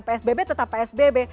psbb tetap psbb